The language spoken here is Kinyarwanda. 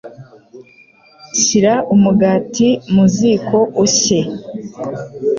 Shyira umugati mu ziko ushye